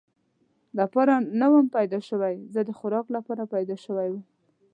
لپاره نه ووم پیدا شوی، زه د خوراک لپاره پیدا شوی ووم.